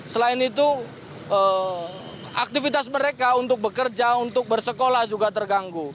selain itu aktivitas mereka untuk bekerja untuk bersekolah juga terganggu